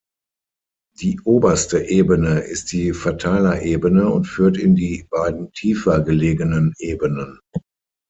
Die oberste Ebene ist die Verteilerebene und führt in die beiden tiefer gelegenen Ebenen.